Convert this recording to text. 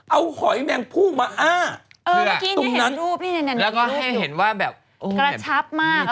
เอาหอยแมงผู้มาอ้าตรงนั้นแล้วก็ให้เห็นว่าแบบกระชับมาก